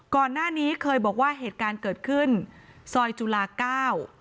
ก่อนหน้านี้เคยบอกว่าเหตุการณ์เกิดขึ้นซอยจุฬาเก้า